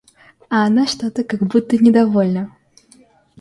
А она что-то как будто недовольна.